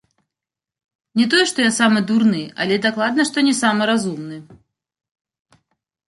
Не тое, што я самы дурны, але і дакладна, што не самы разумны.